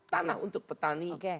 tanah untuk petani